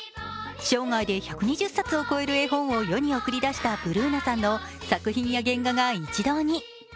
生涯で１２０冊を超える絵本を世に送り出したブルーナさんの作品や原画が一堂に。